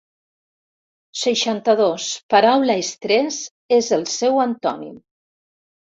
Seixanta-dos paraula estrès és el seu antònim.